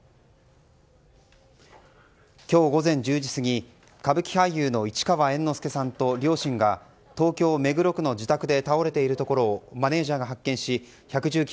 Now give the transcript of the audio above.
今日午前１０時過ぎ歌舞伎俳優の市川猿之助さんと両親が、東京・目黒区の自宅で倒れているところをマネジャーが発見し１１９